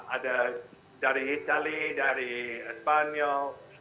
ada dari italy dari espanyol